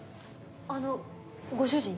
あのご主人？